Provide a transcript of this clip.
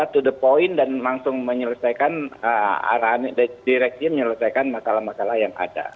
to the point dan langsung menyelesaikan arahan direksi menyelesaikan masalah masalah yang ada